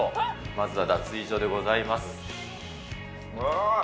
まずは脱衣所でございます。